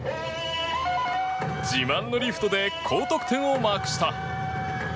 自慢のリフトで高得点をマークした。